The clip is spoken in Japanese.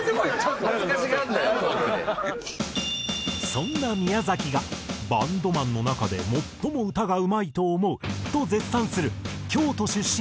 そんな宮崎がバンドマンの中で最も歌がうまいと思うと絶賛する京都出身